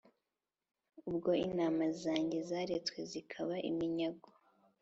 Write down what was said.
ubwo intama zanjye zaretswe zikaba iminyago